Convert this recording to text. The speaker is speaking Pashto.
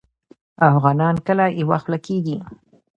افغانان کله یوه خوله کیږي؟